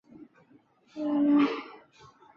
有时有蕈环。